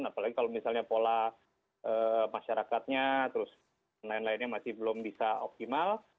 apalagi kalau misalnya pola masyarakatnya terus lain lainnya masih belum bisa optimal